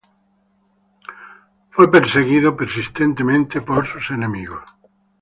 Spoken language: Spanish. Fue perseguido persistentemente por sus enemigos.